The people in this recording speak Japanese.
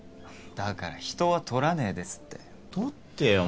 だから人は撮らねえですって撮ってよ